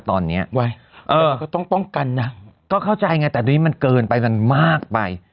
ตอนนี้มันก็ต้องป้องกันนะก็เข้าใจไงแต่ตรงนี้มันเกินไปมันมากไป